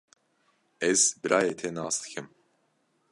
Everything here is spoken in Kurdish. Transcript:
Ez birayê te nas dikim.